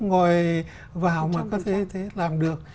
ngồi vào mà có thể làm được